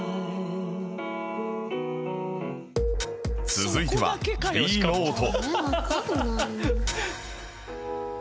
続いては Ｂ の音